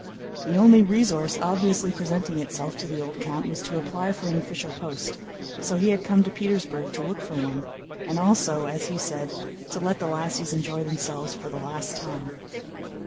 The only resource obviously presenting itself to the old count was to apply for an official post, so he had come to Petersburg to look for one and also, as he said, to let the lassies enjoy themselves for the last time.